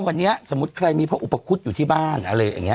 วันนี้สมมุติใครมีพระอุปคุฎอยู่ที่บ้านอะไรอย่างนี้